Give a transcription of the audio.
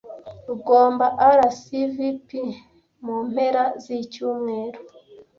Ugomba RSVP mu mpera zicyumweru.